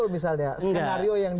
misalnya skenario yang